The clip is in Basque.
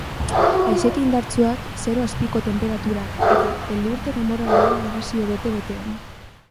Haizete indartsuak, zero azpiko tenperaturak, eta elurte denboraldia grabazio bete-betean.